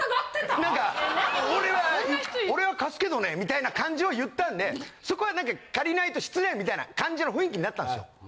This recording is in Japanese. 「俺は俺は貸すけどね」みたいな感じを言ったんでそこは借りないと失礼みたいな感じの雰囲気になったんすよ。